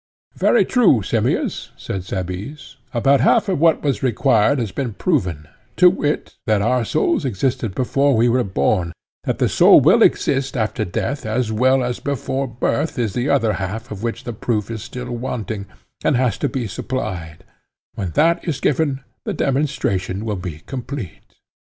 Very true, Simmias, said Cebes; about half of what was required has been proven; to wit, that our souls existed before we were born:—that the soul will exist after death as well as before birth is the other half of which the proof is still wanting, and has to be supplied; when that is given the demonstration will be complete.